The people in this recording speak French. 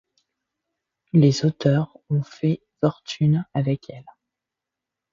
Les auteurs ont fait fortune avec elle.